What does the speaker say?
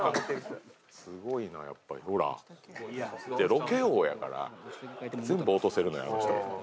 ロケ王やから、全部落とせるのよ、あの人。